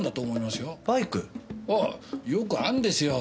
ああよくあるんですよ。